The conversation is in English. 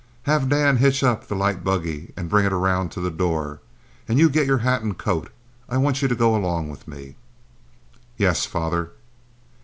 "Have Dan hitch up the light buggy and bring it around to the door. And you get your hat and coat. I want you to go along with me." "Yes, father."